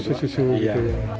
susu susu gitu ya